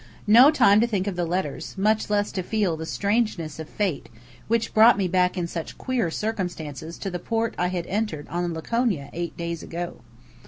No time to think of the letters; much less to feel the strangeness of fate which brought me back in such queer circumstances to the port I had entered on the Laconia eight days ago.